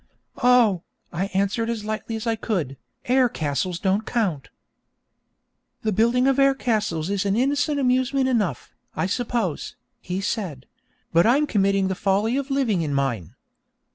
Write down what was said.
'Oh,' I answered as lightly as I could, 'air castles don't count.' 'The building of air castles is an innocent amusement enough, I suppose,' he said; 'but I'm committing the folly of living in mine.